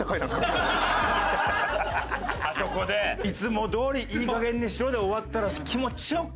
今回。あそこでいつもどおり「いいかげんにしろ」で終わったら気持ち良く帰ってこれましたね。